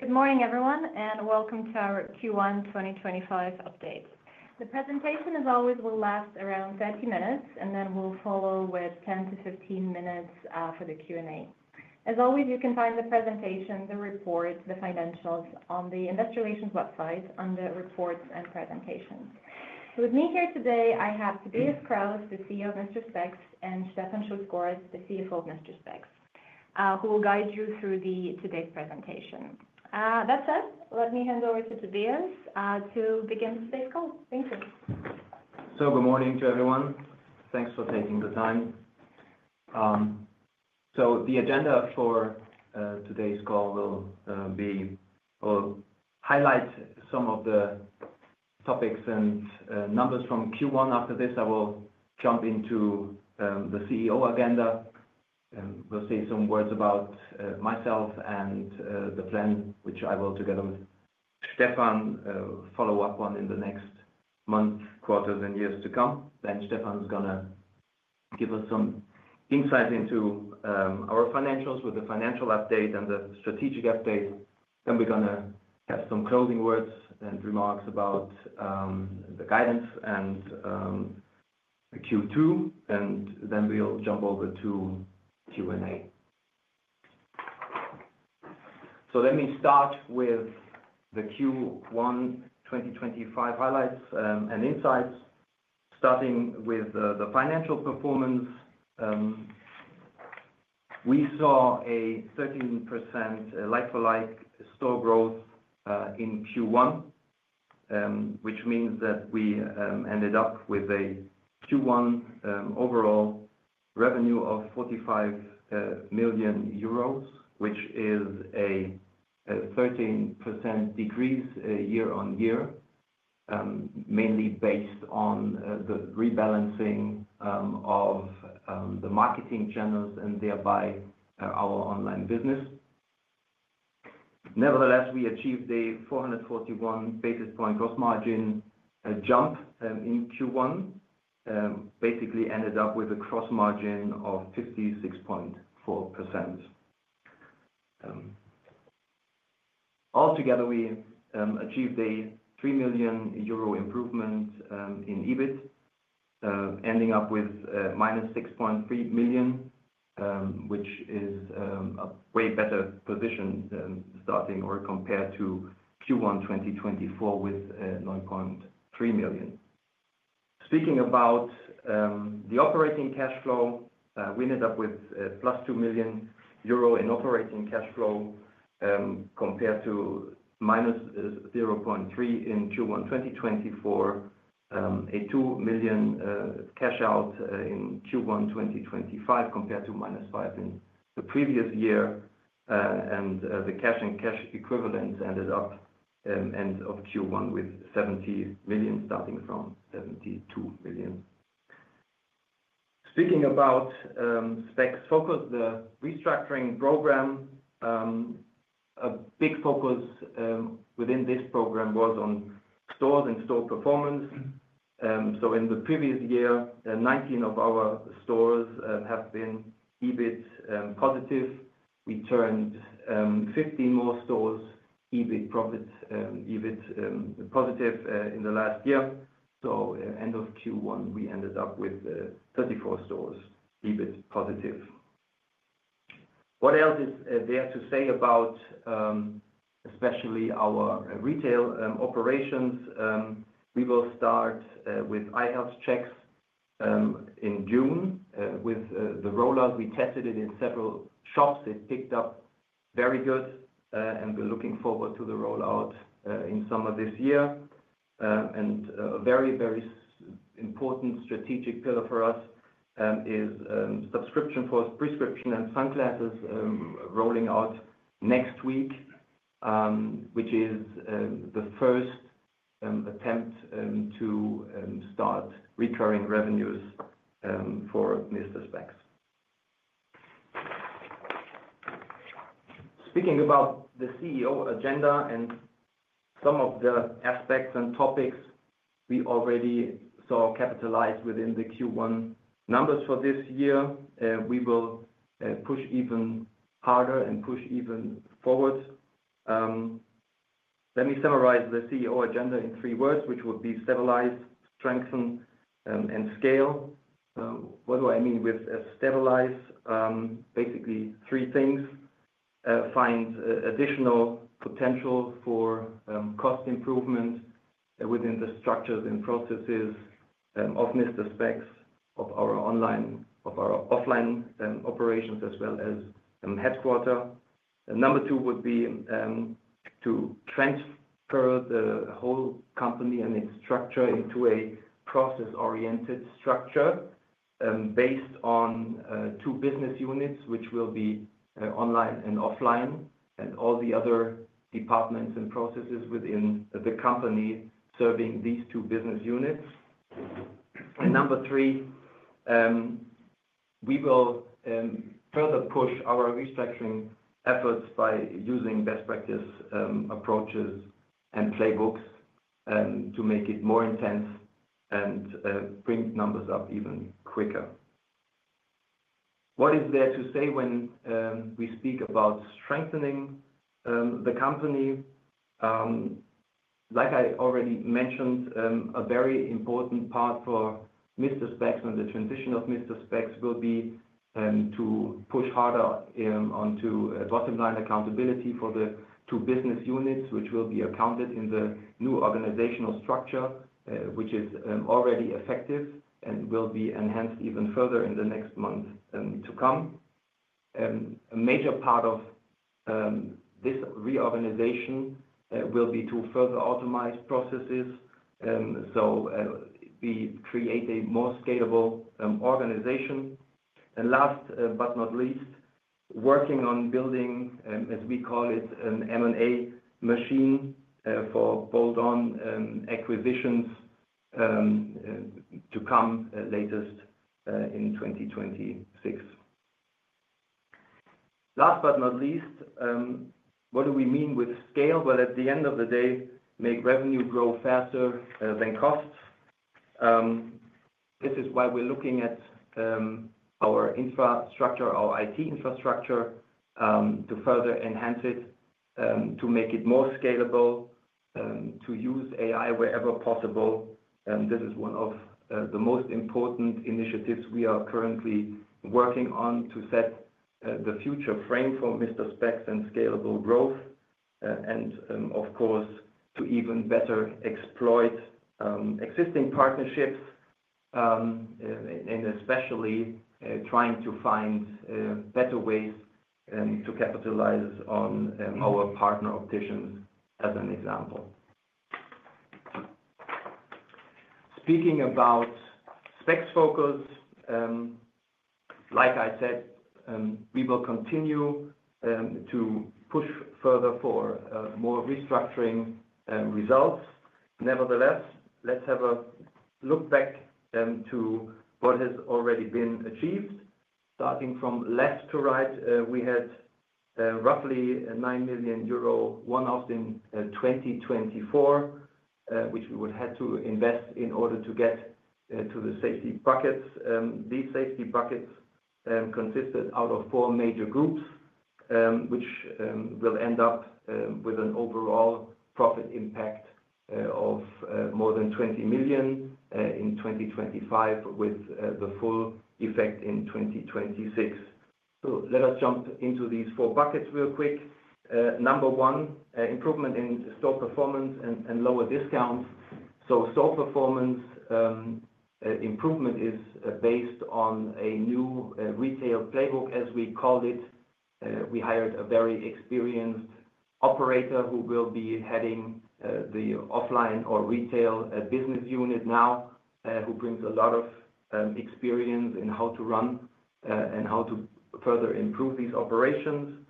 Good morning, everyone, and welcome to our Q1 2025 update. The presentation, as always, will last around 30 minutes, and then we'll follow with 10-15 minutes for the Q&A. As always, you can find the presentation, the report, the financials on the Investor Relations website under Reports and Presentations. With me here today, I have Tobias Krauss, the CEO of Mister Spex, and Stephan Schulz-Gohritz, the CFO of Mister Spex, who will guide you through today's presentation. That said, let me hand over to Tobias to begin today's call. Thank you. Good morning to everyone. Thanks for taking the time. The agenda for today's call will highlight some of the topics and numbers from Q1. After this, I will jump into the CEO agenda. I'll say some words about myself and the plan, which I will, together with Stephan, follow up on in the next months, quarters, and years to come. Stephan is going to give us some insight into our financials with the financial update and the strategic update. We're going to have some closing words and remarks about the guidance and Q2, and then we'll jump over to Q&A. Let me start with the Q1 2025 highlights and insights, starting with the financial performance. We saw a 13% like-for-like store growth in Q1, which means that we ended up with a Q1 overall revenue of 45 million euros, which is a 13% decrease year-on-year, mainly based on the rebalancing of the marketing channels and thereby our online business. Nevertheless, we achieved a 441 basis point gross margin jump in Q1, basically ended up with a gross margin of 56.4%. Altogether, we achieved a 3 million euro improvement in EBIT, ending up with minus 6.3 million, which is a way better position starting or compared to Q1 2024 with 9.3 million. Speaking about the operating cash flow, we ended up with plus 2 million euro in operating cash flow compared to minus 0.3 in Q1 2024, a 2 million cash out in Q1 2025 compared to minus five in the previous year. The cash and cash equivalents ended up at the end of Q1 with 70 million, starting from 72 million. Speaking about SpexFocus, the restructuring program, a big focus within this program was on stores and store performance. In the previous year, 19 of our stores have been EBIT positive. We turned 15 more stores EBIT positive in the last year. At the end of Q1, we ended up with 34 stores EBIT positive. What else is there to say about especially our retail operations? We will start with iHealth checks in June with the rollout. We tested it in several shops. It picked up very good, and we're looking forward to the rollout in summer this year. A very, very important strategic pillar for us is subscription for prescription and sunglasses rolling out next week, which is the first attempt to start recurring revenues for Mister Spex. Speaking about the CEO agenda and some of the aspects and topics we already saw capitalized within the Q1 numbers for this year, we will push even harder and push even forward. Let me summarize the CEO agenda in three words, which would be stabilize, strengthen, and scale. What do I mean with stabilize? Basically, three things: find additional potential for cost improvement within the structures and processes of Mister Spex, of our offline operations, as well as headquarter. Number two would be to transfer the whole company and its structure into a process-oriented structure based on two business units, which will be online and offline, and all the other departments and processes within the company serving these two business units. Number three, we will further push our restructuring efforts by using best practice approaches and playbooks to make it more intense and bring numbers up even quicker. What is there to say when we speak about strengthening the company? Like I already mentioned, a very important part for Mister Spex and the transition of Mister Spex will be to push harder onto bottom-line accountability for the two business units, which will be accounted in the new organizational structure, which is already effective and will be enhanced even further in the next month to come. A major part of this reorganization will be to further optimize processes so we create a more scalable organization. Last but not least, working on building, as we call it, an M&A machine for bolt-on acquisitions to come latest in 2026. Last but not least, what do we mean with scale? At the end of the day, make revenue grow faster than costs. This is why we're looking at our infrastructure, our IT infrastructure, to further enhance it, to make it more scalable, to use AI wherever possible. This is one of the most important initiatives we are currently working on to set the future frame for Mister Spex and scalable growth, and, of course, to even better exploit existing partnerships, and especially trying to find better ways to capitalize on our partner opticians, as an example. Speaking about SpexFocus, like I said, we will continue to push further for more restructuring results. Nevertheless, let's have a look back to what has already been achieved. Starting from left to right, we had roughly 9 million euro won out in 2024, which we would have to invest in order to get to the safety buckets. These safety buckets consisted out of four major groups, which will end up with an overall profit impact of more than 20 million in 2025, with the full effect in 2026. Let us jump into these four buckets real quick. Number one, improvement in store performance and lower discounts. Store performance improvement is based on a new retail playbook, as we call it. We hired a very experienced operator who will be heading the offline or retail business unit now, who brings a lot of experience in how to run and how to further improve these operations.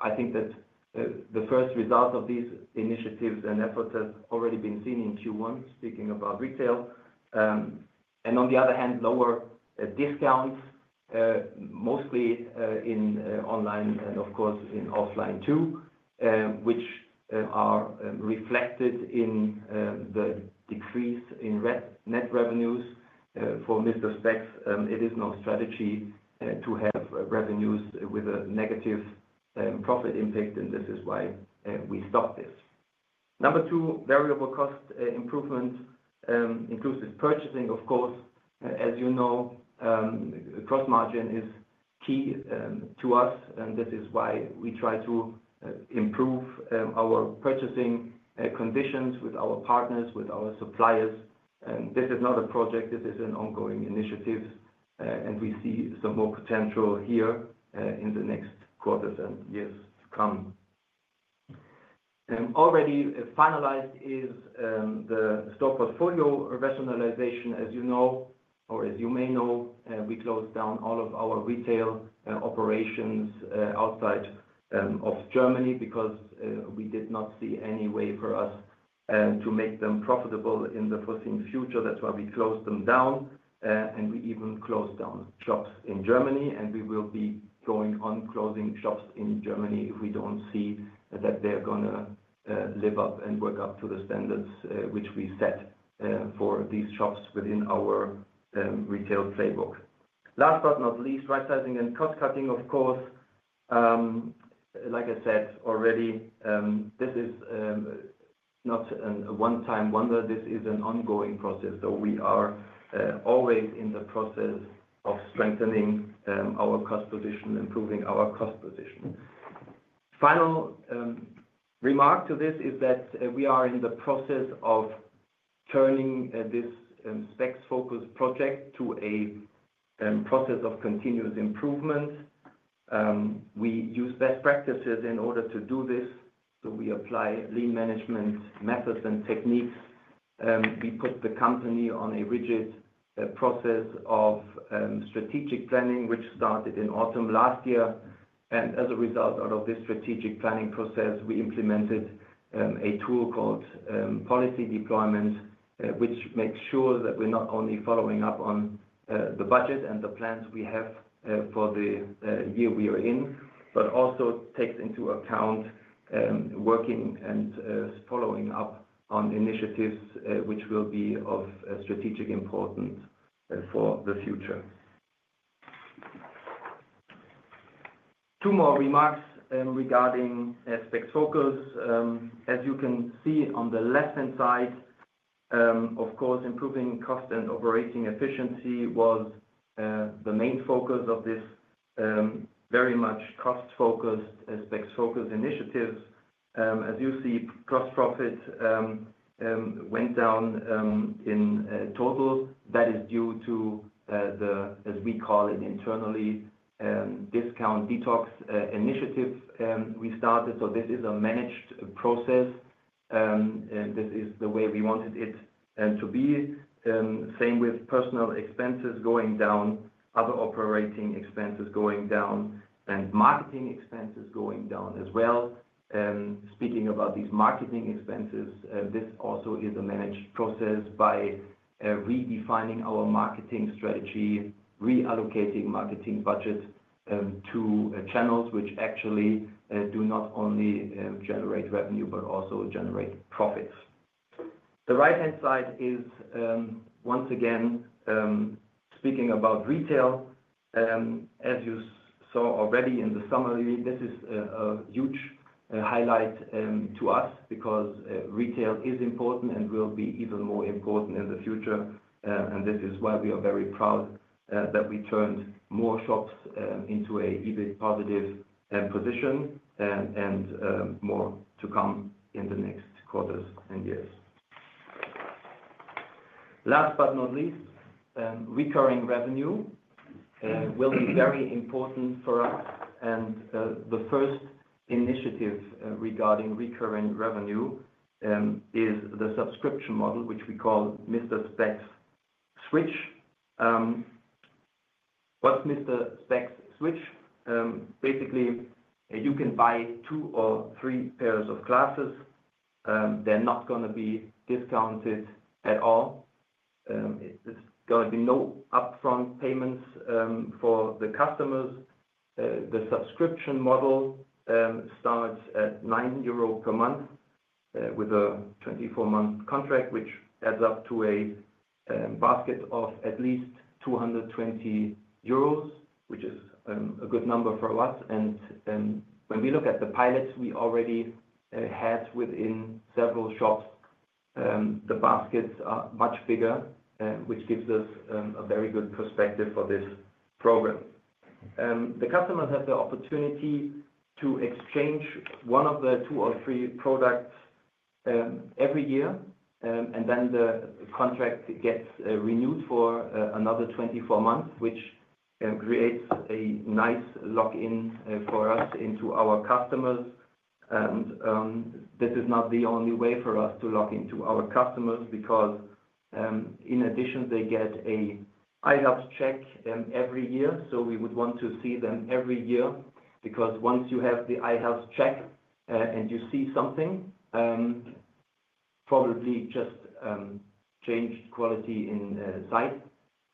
I think that the first result of these initiatives and efforts has already been seen in Q1, speaking about retail. On the other hand, lower discounts, mostly in online and, of course, in offline too, are reflected in the decrease in net revenues for Mister Spex. It is no strategy to have revenues with a negative profit impact, and this is why we stopped this. Number two, variable cost improvement, inclusive purchasing, of course. As you know, gross margin is key to us, and this is why we try to improve our purchasing conditions with our partners, with our suppliers. This is not a project. This is an ongoing initiative, and we see some more potential here in the next quarters and years to come. Already finalized is the store portfolio rationalization, as you know, or as you may know, we closed down all of our retail operations outside of Germany because we did not see any way for us to make them profitable in the foreseen future. That's why we closed them down, and we even closed down shops in Germany, and we will be going on closing shops in Germany if we don't see that they're going to live up and work up to the standards which we set for these shops within our retail playbook. Last but not least, right-sizing and cost-cutting, of course. Like I said already, this is not a one-time wonder. This is an ongoing process, so we are always in the process of strengthening our cost position, improving our cost position. Final remark to this is that we are in the process of turning this SpexFocus project to a process of continuous improvement. We use best practices in order to do this, so we apply lean management methods and techniques. We put the company on a rigid process of strategic planning, which started in autumn last year. As a result of this strategic planning process, we implemented a tool called policy deployment, which makes sure that we're not only following up on the budget and the plans we have for the year we are in, but also takes into account working and following up on initiatives which will be of strategic importance for the future. Two more remarks regarding SpexFocus. As you can see on the left-hand side, of course, improving cost and operating efficiency was the main focus of this very much cost-focused SpexFocus initiative. As you see, gross profit went down in total. That is due to the, as we call it internally, discount detox initiative we started. This is a managed process, and this is the way we wanted it to be. Same with personnel expenses going down, other operating expenses going down, and marketing expenses going down as well. Speaking about these marketing expenses, this also is a managed process by redefining our marketing strategy, reallocating marketing budgets to channels which actually do not only generate revenue but also generate profits. The right-hand side is, once again, speaking about retail. As you saw already in the summary, this is a huge highlight to us because retail is important and will be even more important in the future. This is why we are very proud that we turned more shops into a EBIT positive position and more to come in the next quarters and years. Last but not least, recurring revenue will be very important for us. The first initiative regarding recurring revenue is the subscription model, which we call Mister Spex Switch. What's Mister Spex Switch? Basically, you can buy two or three pairs of glasses. They're not going to be discounted at all. There's going to be no upfront payments for the customers. The subscription model starts at 9 euro per month with a 24-month contract, which adds up to a basket of at least 220 euros, which is a good number for us. When we look at the pilots we already had within several shops, the baskets are much bigger, which gives us a very good perspective for this program. The customers have the opportunity to exchange one of the two or three products every year, and then the contract gets renewed for another 24 months, which creates a nice lock-in for us into our customers. This is not the only way for us to lock into our customers because, in addition, they get an iHealth check every year. We would want to see them every year because once you have the iHealth check and you see something, probably just changed quality in sight,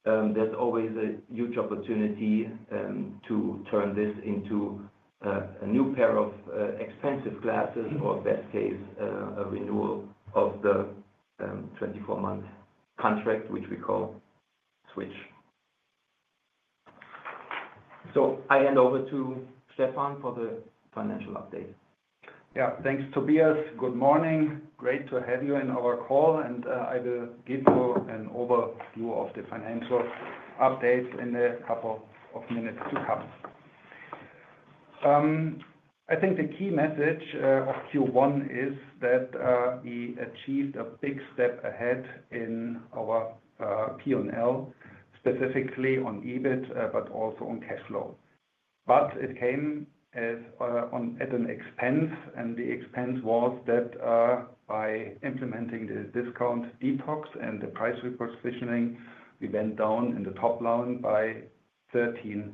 there is always a huge opportunity to turn this into a new pair of expensive glasses or, best case, a renewal of the 24-month contract, which we call Switch. I hand over to Stephan for the financial update. Yeah. Thanks, Tobias. Good morning. Great to have you in our call, and I will give you an overview of the financial updates in a couple of minutes to come. I think the key message of Q1 is that we achieved a big step ahead in our P&L, specifically on EBIT, but also on cash flow. It came at an expense, and the expense was that by implementing the discount detox and the price repositioning, we went down in the top line by 13%.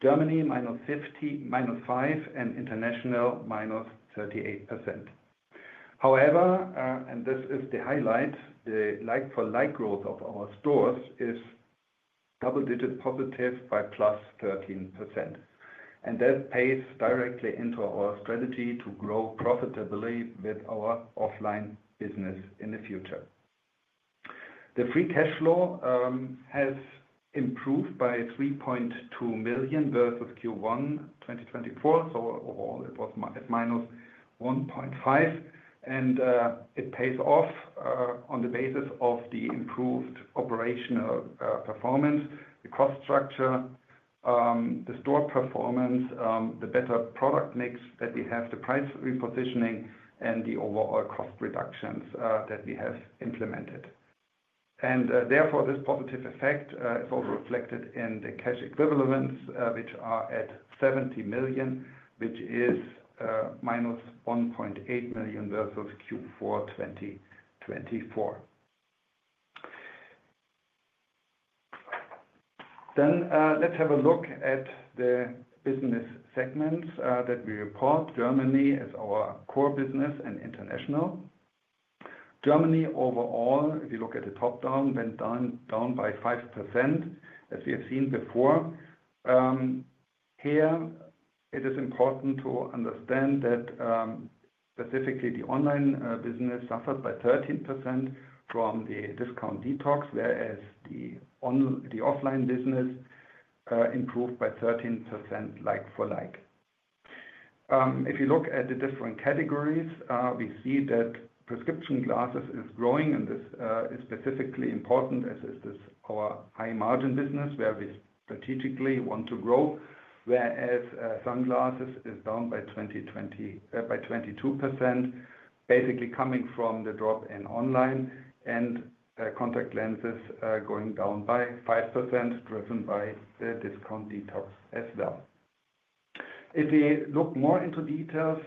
Germany minus five percent and international minus 38%. However, this is the highlight, the like-for-like growth of our stores is double-digit positive by plus 13%. That pays directly into our strategy to grow profitably with our offline business in the future. The free cash flow has improved by 3.2 million versus Q1 2024. Overall, it was -1.5%. It pays off on the basis of the improved operational performance, the cost structure, the store performance, the better product mix that we have, the price repositioning, and the overall cost reductions that we have implemented. Therefore, this positive effect is also reflected in the cash equivalents, which are at 70 million, which is minus 1.8 million versus Q4 2024. Let's have a look at the business segments that we report. Germany is our core business and international. Germany overall, if you look at the top down, went down by five percent, as we have seen before. Here, it is important to understand that specifically the online business suffered by 13% from the discount detox, whereas the offline business improved by 13% like-for-like. If you look at the different categories, we see that prescription glasses is growing, and this is specifically important, as this is our high-margin business where we strategically want to grow, whereas sunglasses is down by 22%, basically coming from the drop in online and contact lenses going down by five percent, driven by the discount detox as well. If we look more into details,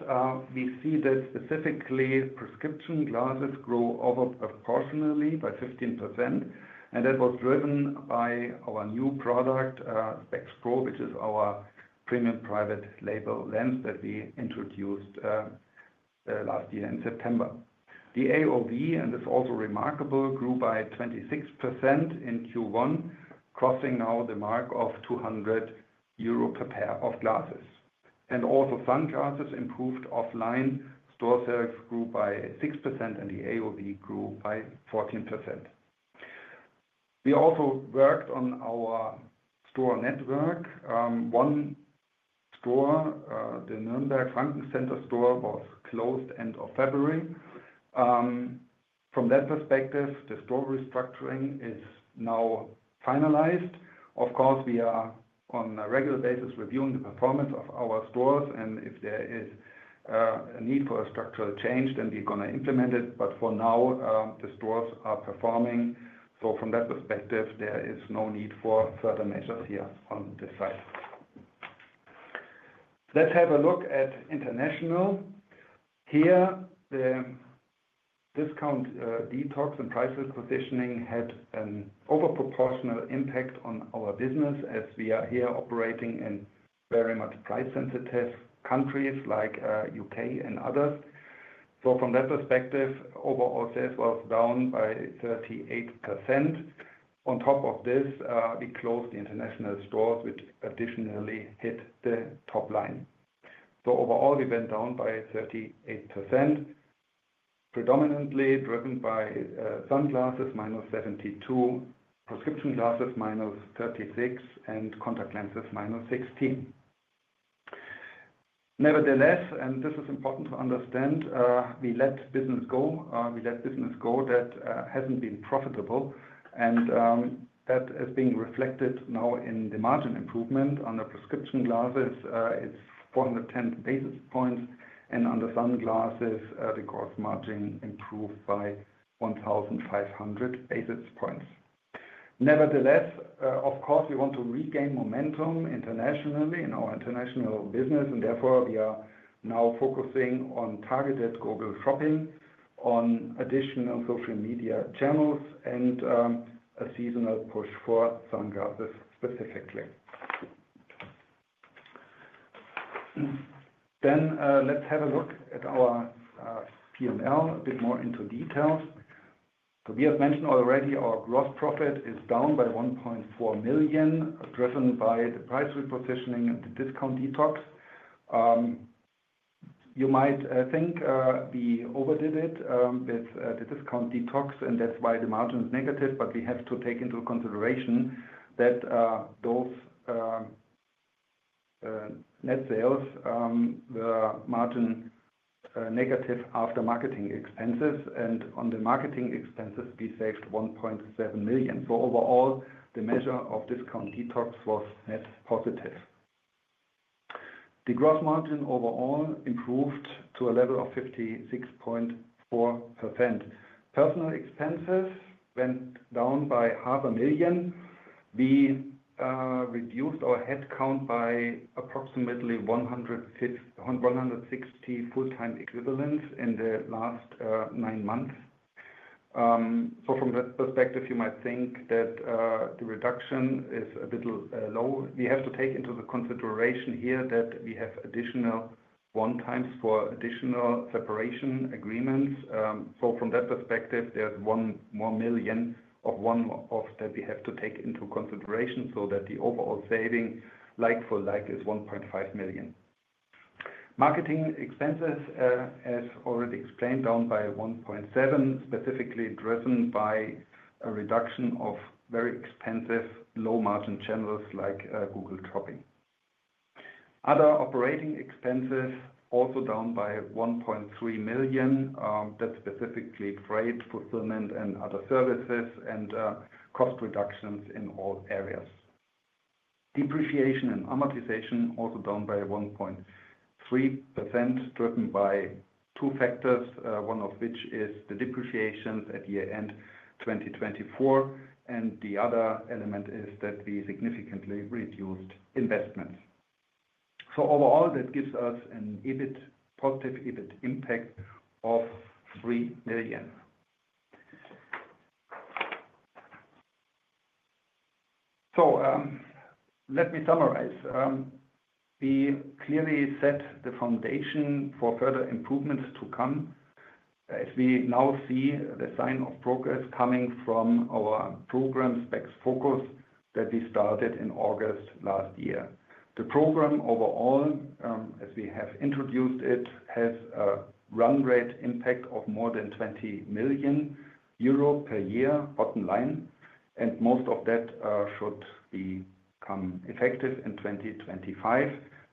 we see that specifically prescription glasses grow overproportionally by 15%, and that was driven by our new product, SpexPro, which is our premium private label lens that we introduced last year in September. The AOV, and this is also remarkable, grew by 26% in Q1, crossing now the mark of 200 euro per pair of glasses. Also, sunglasses improved offline. Store sales grew by six percent, and the AOV grew by 14%. We also worked on our store network. One store, the Nürnberg Franken-Center store, was closed at the end of February. From that perspective, the store restructuring is now finalized. Of course, we are on a regular basis reviewing the performance of our stores, and if there is a need for a structural change, then we're going to implement it. For now, the stores are performing. From that perspective, there is no need for further measures here on this side. Let's have a look at international. Here, the discount detox and price repositioning had an overproportional impact on our business as we are here operating in very much price-sensitive countries like the U.K. and others. From that perspective, overall sales were down by 38%. On top of this, we closed the international stores, which additionally hit the top line. Overall, we went down by 38%, predominantly driven by sunglasses minus 72%, prescription glasses minus 36%, and contact lenses minus 16%. Nevertheless, and this is important to understand, we let business go. We let business go that has not been profitable, and that is being reflected now in the margin improvement. On the prescription glasses, it is 410 basis points, and on the sunglasses, the gross margin improved by 1,500 basis points. Nevertheless, of course, we want to regain momentum internationally in our international business, and therefore we are now focusing on targeted Google Shopping, on additional social media channels, and a seasonal push for sunglasses specifically. Let us have a look at our P&L a bit more into detail. We have mentioned already our gross profit is down by 1.4 million, driven by the price repositioning and the discount detox. You might think we overdid it with the discount detox, and that's why the margin is negative, but we have to take into consideration that those net sales, the margin negative after marketing expenses, and on the marketing expenses, we saved 1.7 million. Overall, the measure of discount detox was net positive. The gross margin overall improved to a level of 56.4%. Personnel expenses went down by 500,000. We reduced our headcount by approximately 160 full-time equivalents in the last nine months. From that perspective, you might think that the reduction is a little low. We have to take into consideration here that we have additional one-times for additional separation agreements. From that perspective, there is one more million of one-time that we have to take into consideration so that the overall saving like-for-like is 1.5 million. Marketing expenses, as already explained, down by 1.7, specifically driven by a reduction of very expensive low-margin channels like Google Shopping. Other operating expenses also down by 1.3 million. That's specifically freight fulfillment and other services and cost reductions in all areas. Depreciation and amortization also down by 1.3%, driven by two factors, one of which is the depreciation at year-end 2024, and the other element is that we significantly reduced investments. Overall, that gives us a positive EBIT impact of 3 million. Let me summarize. We clearly set the foundation for further improvements to come, as we now see the sign of progress coming from our program, SpexFocus, that we started in August last year. The program overall, as we have introduced it, has a run rate impact of more than 20 million euro per year bottom line, and most of that should become effective in 2025.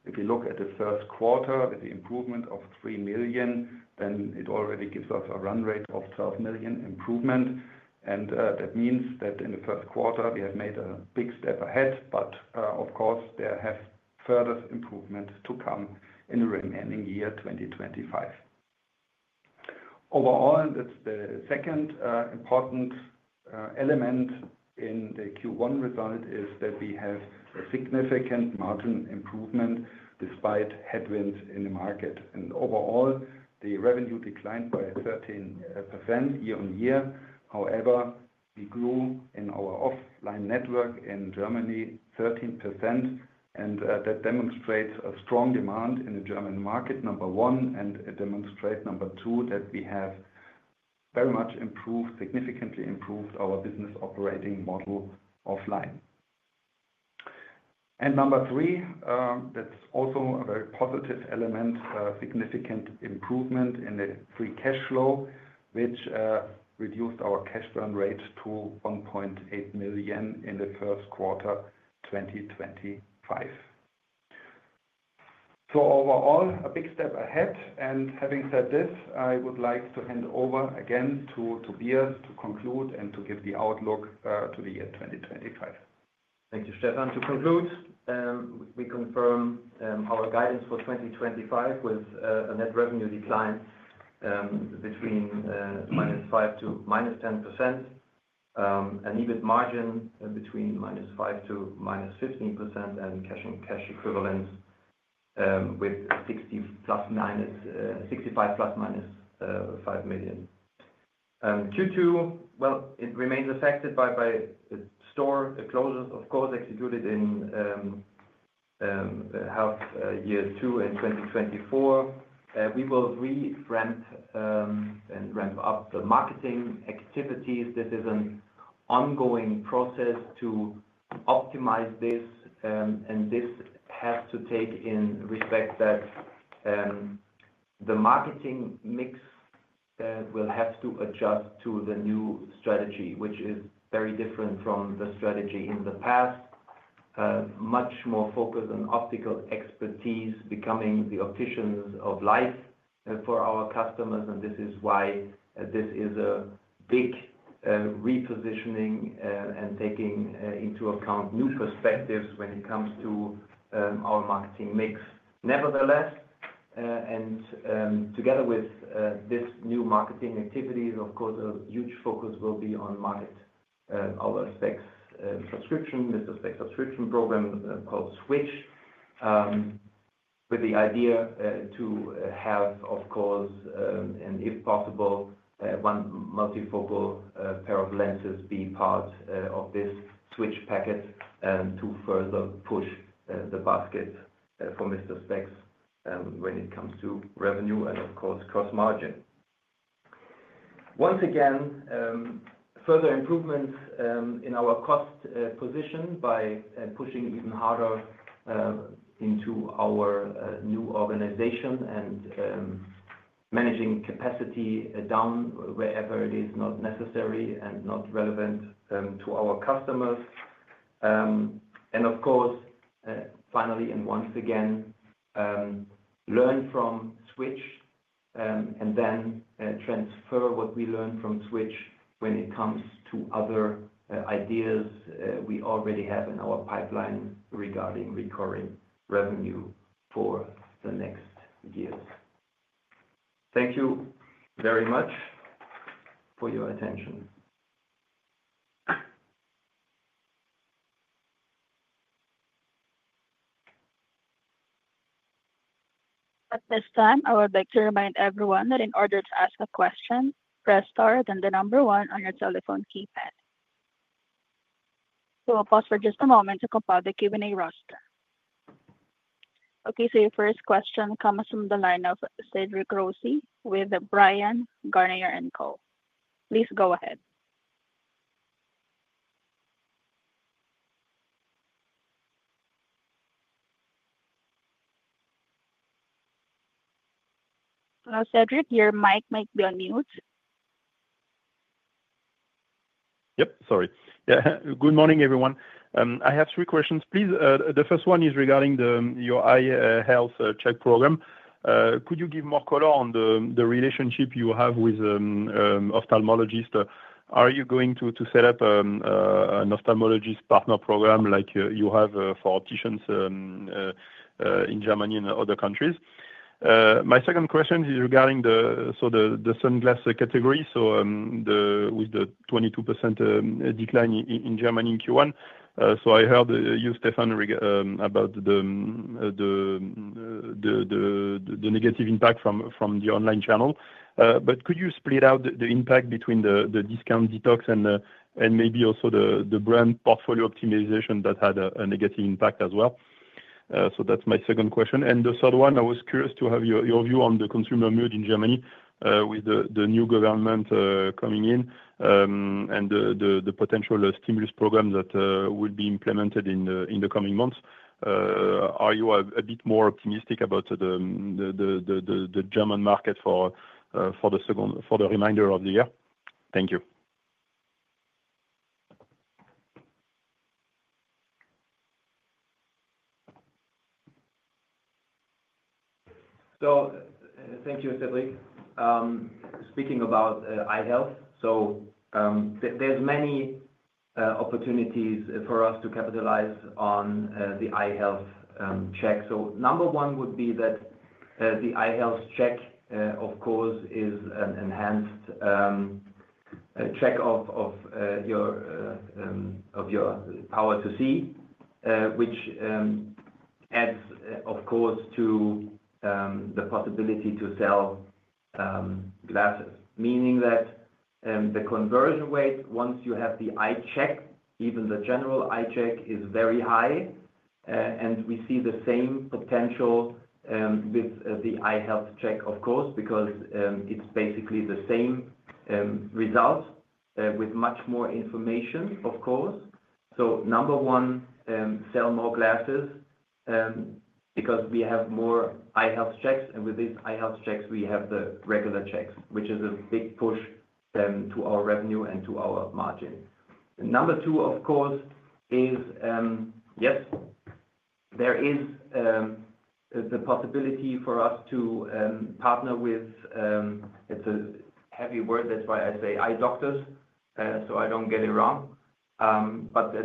If you look at the first quarter with the improvement of 3 million, then it already gives us a run rate of 12 million improvement, and that means that in the first quarter, we have made a big step ahead, but of course, there has further improvement to come in the remaining year 2025. Overall, the second important element in the Q1 result is that we have a significant margin improvement despite headwinds in the market. Overall, the revenue declined by 13% year-on-year. However, we grew in our offline network in Germany 13%, and that demonstrates a strong demand in the German market, number one, and it demonstrates, number two, that we have very much improved, significantly improved our business operating model offline. Number three, that is also a very positive element, significant improvement in the free cash flow, which reduced our cash burn rate to 1.8 million in the first quarter 2025. Overall, a big step ahead. Having said this, I would like to hand over again to Tobias to conclude and to give the outlook to the year 2025. Thank you, Stephan. To conclude, we confirm our guidance for 2025 with a net revenue decline between -5% to -10%, an EBIT margin between -5% to -15%, and cash equivalents with 65 million plus minus 5 million. Q2 remains affected by the store closures, of course, executed in half year two in 2024. We will ramp up the marketing activities. This is an ongoing process to optimize this, and this has to take in respect that the marketing mix will have to adjust to the new strategy, which is very different from the strategy in the past, much more focused on optical expertise becoming the opticians of life for our customers. This is why this is a big repositioning and taking into account new perspectives when it comes to our marketing mix. Nevertheless, together with these new marketing activities, of course, a huge focus will be on market, our Spex subscription, Mister Spex Subscription Program called Switch, with the idea to have, of course, and if possible, one multifocal pair of lenses be part of this Switch packet to further push the basket for Mister Spex when it comes to revenue and, of course, gross margin. Once again, further improvements in our cost position by pushing even harder into our new organization and managing capacity down wherever it is not necessary and not relevant to our customers. Of course, finally, and once again, learn from Switch and then transfer what we learn from Switch when it comes to other ideas we already have in our pipeline regarding recurring revenue for the next years. Thank you very much for your attention. At this time, I would like to remind everyone that in order to ask a question, press star then the number one on your telephone keypad. I'll pause for just a moment to compile the Q&A roster. Okay, your first question comes from the line of Cédric Rossi with Bryan Garnier and Co. Please go ahead. Cedric, your mic might be on mute. Yep, sorry. Good morning, everyone. I have three questions. The first one is regarding your eye health check program. Could you give more color on the relationship you have with ophthalmologists? Are you going to set up an ophthalmologist partner program like you have for opticians in Germany and other countries? My second question is regarding the sunglass category, with the 22% decline in Germany in Q1. I heard you, Stephan, about the negative impact from the online channel. Could you split out the impact between the discount detox and maybe also the brand portfolio optimization that had a negative impact as well? That's my second question. The third one, I was curious to have your view on the consumer mood in Germany with the new government coming in and the potential stimulus program that will be implemented in the coming months. Are you a bit more optimistic about the German market for the remainder of the year? Thank you. Thank you, Cédric. Speaking about eye health, there are many opportunities for us to capitalize on the eye health check. Number one would be that the eye health check, of course, is an enhanced check of your power to see, which adds, of course, to the possibility to sell glasses, meaning that the conversion rate once you have the eye check, even the general eye check, is very high. We see the same potential with the eye health check, of course, because it's basically the same result with much more information, of course. Number one, sell more glasses because we have more eye health checks, and with these eye health checks, we have the regular checks, which is a big push to our revenue and to our margin. Number two, of course, is yes, there is the possibility for us to partner with—it's a heavy word, that's why I say eye doctors, so I don't get it wrong.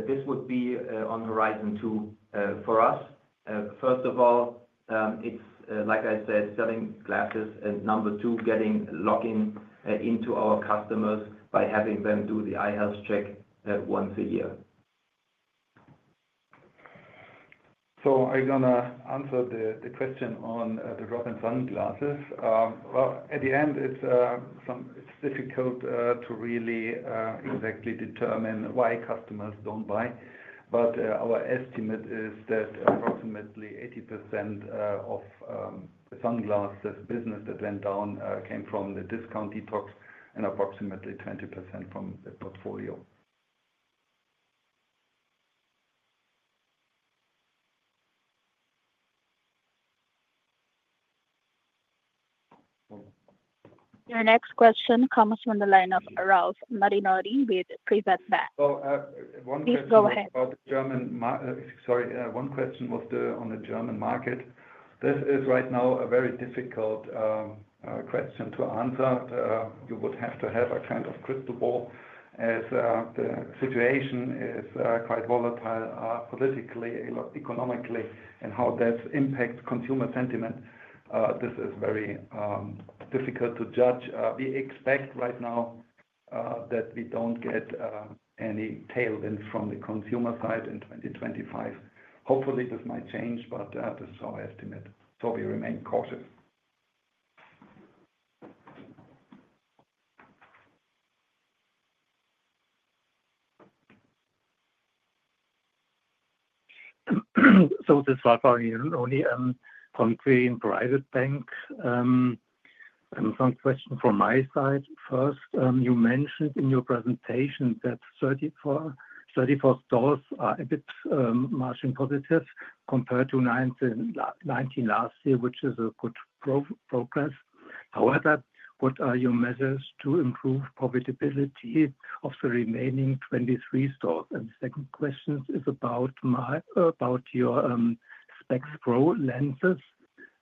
This would be on the horizon too for us. First of all, like I said, selling glasses, and number two, getting lock-in into our customers by having them do the eye health check once a year. I'm going to answer the question on the drop-in sunglasses. At the end, it's difficult to really exactly determine why customers don't buy, but our estimate is that approximately 80% of the sunglasses business that went down came from the discount detox and approximately 20% from the portfolio. Your next question comes from the line of Ralf Marinoni with Quirin Privatbank. One question about the German—sorry, one question was on the German market. This is right now a very difficult question to answer. You would have to have a kind of crystal ball as the situation is quite volatile politically, economically, and how that impacts consumer sentiment. This is very difficult to judge. We expect right now that we don't get any tailwinds from the consumer side in 2025. Hopefully, this might change, but this is our estimate. We remain cautious. This is Ralf Marinoni, I'm from Quirin Privatbank. And some question from my side. First, you mentioned in your presentation that 34 stores are a bit margin positive compared to 19 last year, which is a good progress. However, what are your measures to improve profitability of the remaining 23 stores? The second question is about your SpexPro lenses.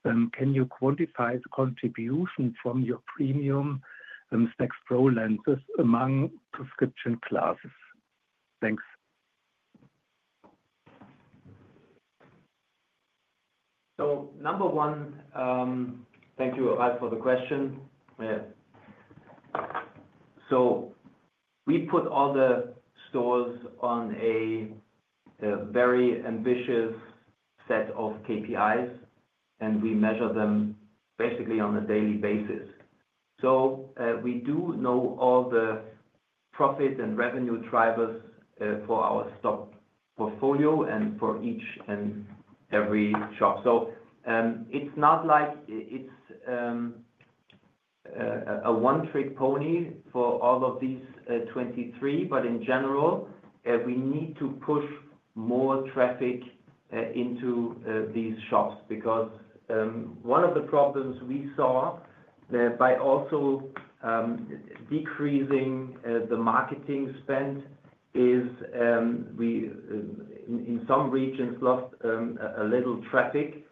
Can you quantify the contribution from your premium SpexPro lenses among prescription glasses? Thanks. Number one, thank you, Ralph, for the question. We put all the stores on a very ambitious set of KPIs, and we measure them basically on a daily basis. We do know all the profit and revenue drivers for our stock portfolio and for each and every shop. It is not like it is a one-trick pony for all of these 23, but in general, we need to push more traffic into these shops because one of the problems we saw by also decreasing the marketing spend is we in some regions lost a little traffic,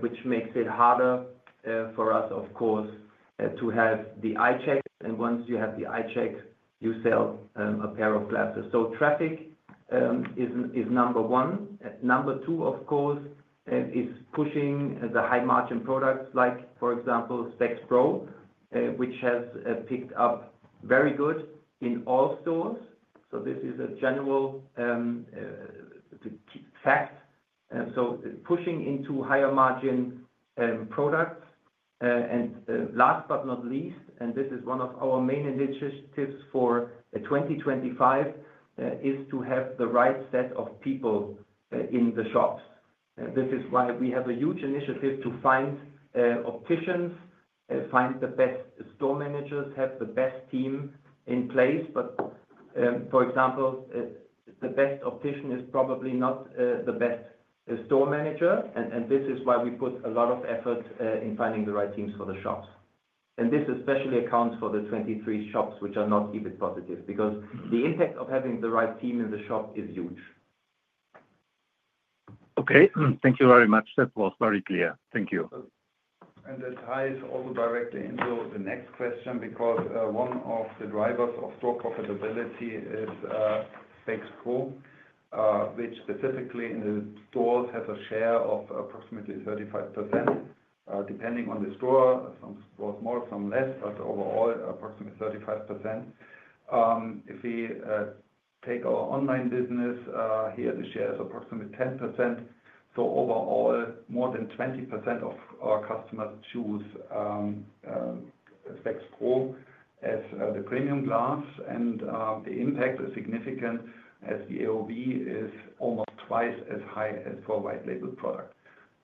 which makes it harder for us, of course, to have the eye checks. Once you have the eye checks, you sell a pair of glasses. Traffic is number one. Number two, of course, is pushing the high-margin products, like for example, SpexPro, which has picked up very good in all stores. This is a general fact. Pushing into higher-margin products. Last but not least, and this is one of our main initiatives for 2025, is to have the right set of people in the shops. This is why we have a huge initiative to find opticians, find the best store managers, have the best team in place. For example, the best optician is probably not the best store manager. This is why we put a lot of effort in finding the right teams for the shops. This especially accounts for the 23 shops, which are not EBIT positive because the impact of having the right team in the shop is huge. Okay. Thank you very much. That was very clear. Thank you. This ties also directly into the next question because one of the drivers of store profitability is SpexPro, which specifically in the stores has a share of approximately 35%, depending on the store. Some stores more, some less, but overall, approximately 35%. If we take our online business here, the share is approximately 10%. Overall, more than 20% of our customers choose SpexPro as the premium glass. The impact is significant as the AOV is almost twice as high as for white-label products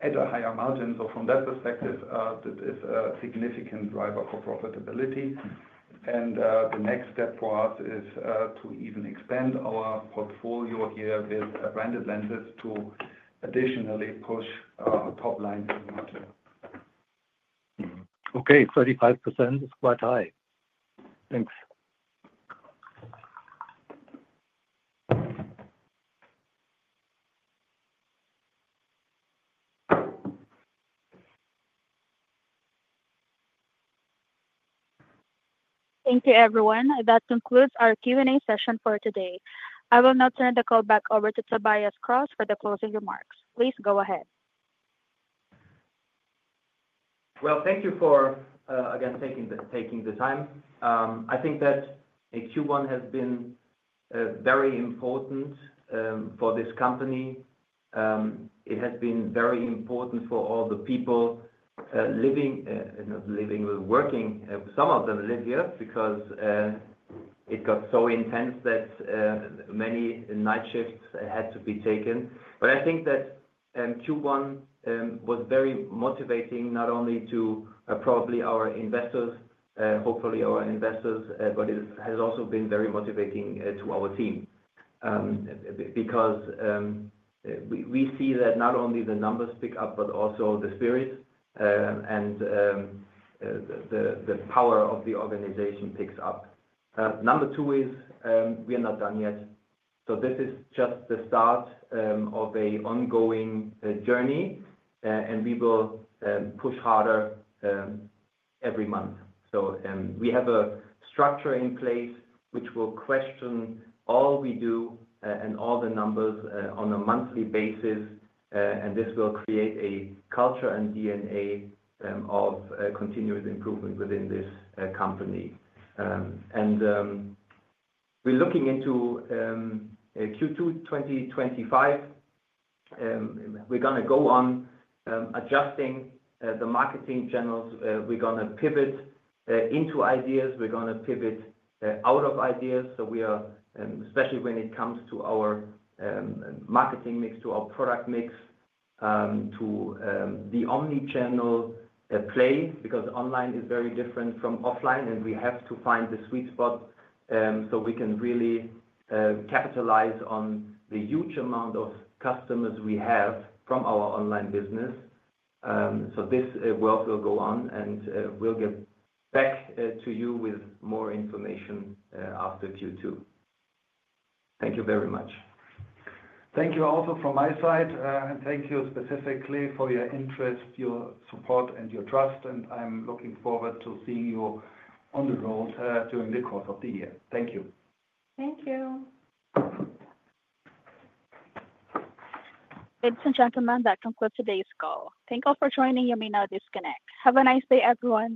at a higher margin. From that perspective, that is a significant driver for profitability. The next step for us is to even expand our portfolio here with branded lenses to additionally push top line to the margin. Okay. 35% is quite high. Thanks. Thank you, everyone. That concludes our Q&A session for today. I will now turn the call back over to Tobias Krauss for the closing remarks. Please go ahead. Thank you for, again, taking the time. I think that Q1 has been very important for this company. It has been very important for all the people living and working. Some of them live here because it got so intense that many night shifts had to be taken. I think that Q1 was very motivating, not only to probably our investors, hopefully our investors, but it has also been very motivating to our team because we see that not only the numbers pick up, but also the spirit and the power of the organization picks up. Number two is we are not done yet. This is just the start of an ongoing journey, and we will push harder every month. We have a structure in place which will question all we do and all the numbers on a monthly basis. This will create a culture and DNA of continuous improvement within this company. We are looking into Q2 2025. We are going to go on adjusting the marketing channels. We are going to pivot into ideas. We're going to pivot out of ideas. We are, especially when it comes to our marketing mix, to our product mix, to the omnichannel play because online is very different from offline, and we have to find the sweet spot so we can really capitalize on the huge amount of customers we have from our online business. This work will go on, and we'll get back to you with more information after Q2. Thank you very much. Thank you also from my side, and thank you specifically for your interest, your support, and your trust. I'm looking forward to seeing you on the road during the course of the year. Thank you. Thank you. Ladies and gentlemen, that concludes today's call. Thank you all for joining. You may now disconnect. Have a nice day, everyone.